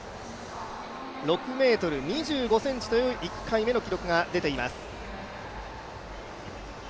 ６ｍ２５ｃｍという１回目の記録が出ています。